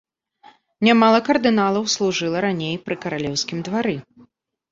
Нямала кардыналаў служыла раней пры каралеўскім двары.